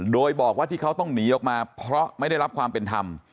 โดยบอกว่าที่เขาต้องหนีออกมาเพราะไม่ได้รับความเป็นธรรม